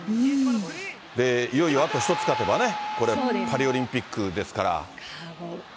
いよいよあと１つ勝てばね、これ、パリオリンピックですから。